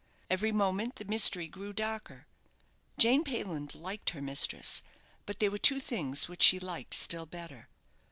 Every moment the mystery grew darker. Jane Payland liked her mistress; but there were two things which she liked still better.